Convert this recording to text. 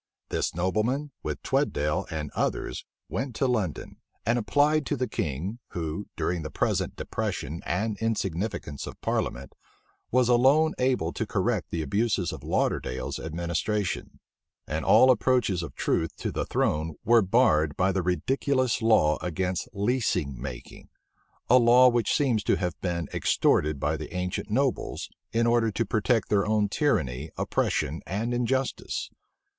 This nobleman, with Tweddale and others, went to London, and applied to the king, who, during the present depression and insignificance of parliament, was alone able to correct the abuses of Lauderdale's administration. But even their complaints to him might be dangerous; and all approaches of truth to the throne were barred by the ridiculous law against leasing making; a law which seems to have been extorted by the ancient nobles, in order to protect their own tyranny, oppression, and injustice.